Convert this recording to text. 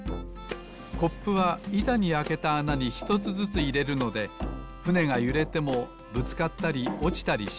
コップはいたにあけたあなにひとつずついれるのでふねがゆれてもぶつかったりおちたりしません。